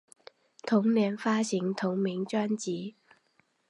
同年发行同名专辑。